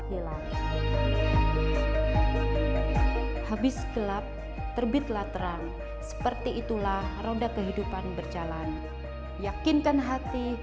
hilang habis gelap terbitlah terang seperti itulah roda kehidupan berjalan yakinkan hati